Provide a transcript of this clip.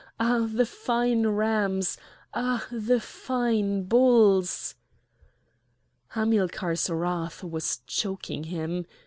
Ah! the fine rams! ah! the fine bulls!—" Hamilcar's wrath was choking him.